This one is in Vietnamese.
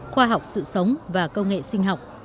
khoa học sự sống và công nghệ sinh học